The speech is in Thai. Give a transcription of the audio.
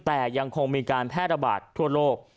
แต่ยังคงมีการแพร่ระบาดทั่วโลก